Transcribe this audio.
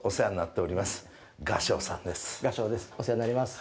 お世話になります。